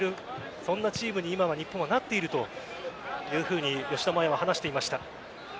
そんなチームに今は日本はなっているというふうに吉田麻也は話していました。